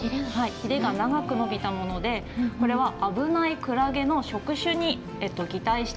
ひれが長く伸びたものでこれは危ないクラゲの触手に擬態してるまねをしてるんです。